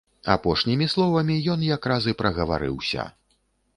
Апошнімі словамі ён якраз і прагаварыўся.